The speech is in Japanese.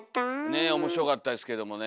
ねえ面白かったですけどもね。